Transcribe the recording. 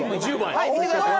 はい見てください。